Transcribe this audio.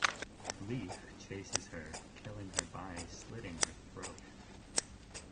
Leif chases her, killing her by slitting her throat.